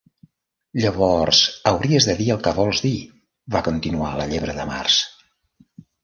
"Llavors hauries de dir el que vols dir", va continuar la Llebre de Març.